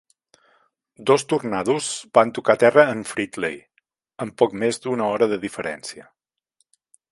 Dos tornados van tocar terra en Fridley, amb poc més d'una hora de diferència.